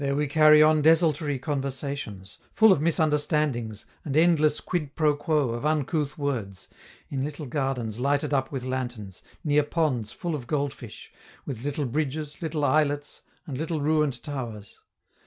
There we carry on desultory conversations, full of misunderstandings and endless 'quid pro quo' of uncouth words, in little gardens lighted up with lanterns, near ponds full of goldfish, with little bridges, little islets, and little ruined towers.